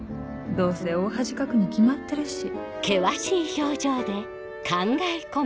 どうせ大恥かくに決まってるし」。